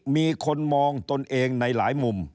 มีคนมองตนเองในหลายมุม